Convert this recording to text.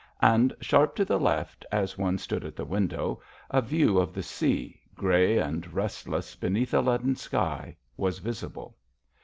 And, sharp to the left, as one stood at the window, a view of the sea, grey and restless beneath a leaden sky, was visible.